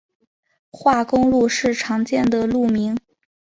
化工路是常见的路名。